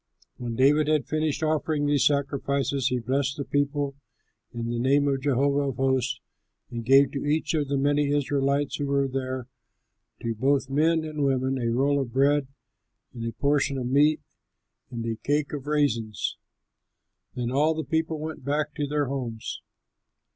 When David had finished offering these sacrifices, he blessed the people in the name of Jehovah of hosts and gave to each of the many Israelites who were there, to both men and women, a roll of bread, a portion of meat, and a cake of raisins. Then all the people went back to their homes.